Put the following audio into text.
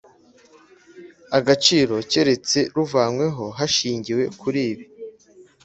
agaciro keretse ruvanyweho hashingiwe kuri ibi